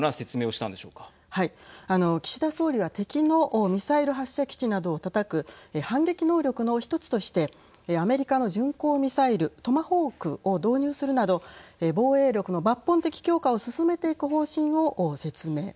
あの岸田総理は敵のミサイル発射基地などをたたく反撃能力の１つとしてアメリカの巡航ミサイルトマホークを導入するなど防衛力の抜本的強化を進めていく方針を説明。